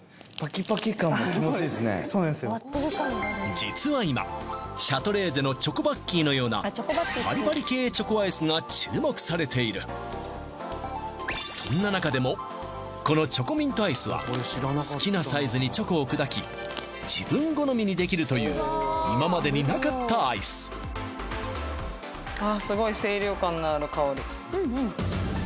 実は今シャトレーゼのチョコバッキーのようなパリパリ系チョコアイスが注目されているそんな中でもこのチョコミントアイスは好きなサイズにチョコを砕きという今までになかったアイスああ